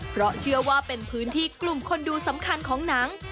เพราะเชื่อว่าเป็นพื้นที่กลุ่มคนดูสำคัญของหนัง